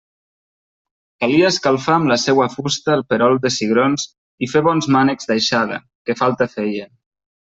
Calia escalfar amb la seua fusta el perol de cigrons i fer bons mànecs d'aixada, que falta feien.